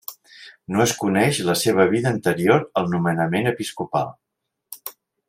No es coneix la seva vida anterior al nomenament episcopal.